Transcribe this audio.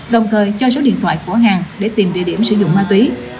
đồng thời cho số điện thoại của hàng để tìm địa điểm sử dụng ma túy